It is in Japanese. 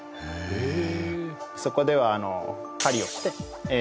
へえ